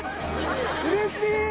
うれしい！